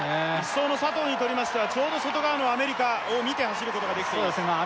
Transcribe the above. １走の佐藤にとりましてはちょうど外側のアメリカを見て走ることができていますそうですね